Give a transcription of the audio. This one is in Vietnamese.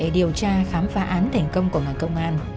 đầu tra khám phá án thành công của ngành công an